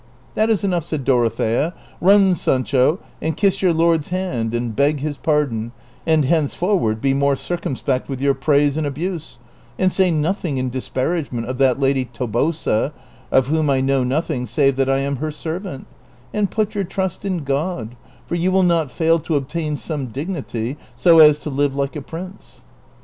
" That is enough," said Dorothea ;'^ run, Sancho, and kiss your lord's hand and beg his pardon, and henceforward be more circumspect with your praise and abuse ; and say noth ing in disparagement of that lady Tobosa, of whom I know nothing save that I am her servant ; and put your trust in God, for you will not fail to obtain some dignity so as to live like a prince."